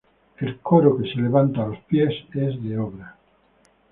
El coro que se levanta a los pies es de obra.